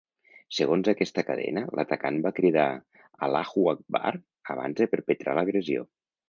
Segons aquesta cadena, l’atacant va cridar ‘Allahu Akbar’ abans de perpetrar l’agressió.